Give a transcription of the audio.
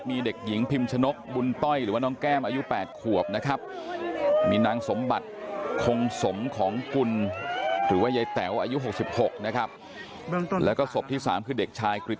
มีน้องที่เสียชีวิตนะฮะที่คุณแม่ตะโกนเรียกอยู่นะครับสามศพนี้นะครับมีน้องที่เสียชีวิตนะฮะที่คุณแม่ตะโกนเรียกอยู่นะครับ